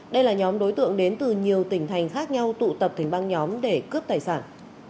đây là nhóm đối tượng đến từ nhiều tỉnh thành khác nhau tụ tập thành băng nhóm để cướp tài sản